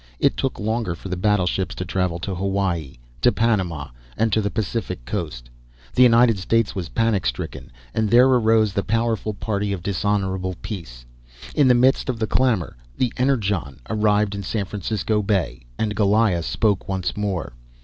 It took longer for the battleships to travel to Hawaii, to Panama, and to the Pacific Coast. The United States was panic stricken, and there arose the powerful party of dishonourable peace. In the midst of the clamour the Energon arrived in San Francisco Bay and Goliah spoke once more.